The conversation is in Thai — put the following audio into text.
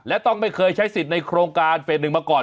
และต้องไม่เคยใช้สิทธิ์ในโครงการเฟสหนึ่งมาก่อน